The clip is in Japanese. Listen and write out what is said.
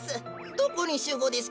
どこにしゅうごうですか？